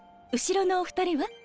後ろのお二人は？